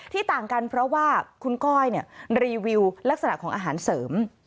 ต่างกันเพราะว่าคุณก้อยรีวิวลักษณะของอาหารเสริม